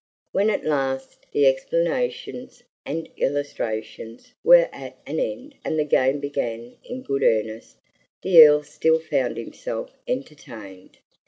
When at last the explanations and illustrations were at an end and the game began in good earnest, the Earl still found himself entertained.